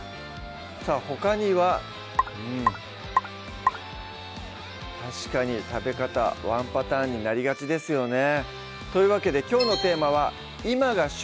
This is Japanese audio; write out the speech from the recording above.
さぁほかにはうん確かに食べ方ワンパターンになりがちですよねというわけできょうのテーマは「今が旬！